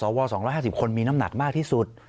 ๒๕๐คนมีน้ำหนักมากที่สุด